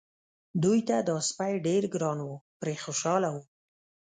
دوی ته دا سپی ډېر ګران و پرې خوشاله وو.